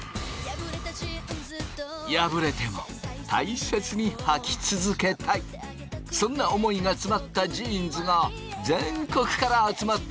破れても大切にはき続けたいそんな思いが詰まったジーンズが全国から集まってくる。